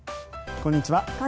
こんにちは。